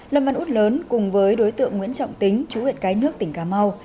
lâm văn út lớn cùng với đối tượng nguyễn trọng tính chú huyện cái nước tỉnh cà mau